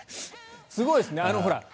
すごいですね。